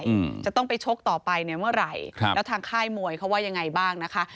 อืมจะต้องไปชกต่อไปเนี่ยเมื่อไหร่ครับแล้วทางค่ายมวยเขาว่ายังไงบ้างนะคะ